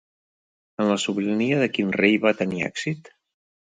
En la sobirania de quin rei va tenir èxit?